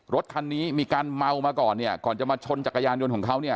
รถคันนี้มีการเมามาก่อนก่อนจะมาชนจักรยานยนต์ของเขา